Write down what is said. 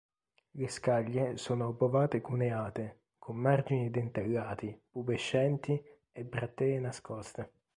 Le scaglie sono obovate-cuneate, con margini dentellati, pubescenti, e brattee nascoste.